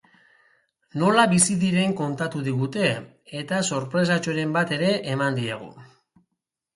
Nola bizi diren kontatu digute, eta sorpresatxoren bat ere eman diegu.